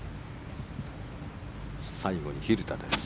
最後に蛭田です。